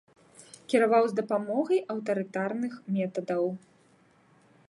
Кіраваў з дапамогай аўтарытарных метадаў.